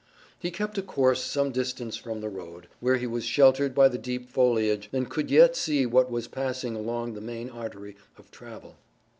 He kept a course some distance from the road, where he was sheltered by the deep foliage and could yet see what was passing along the main artery of travel.